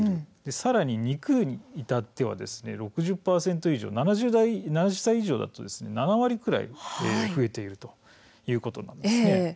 さらに肉に至っては６０％以上７０歳以上だと７割くらい増えているということなんですね。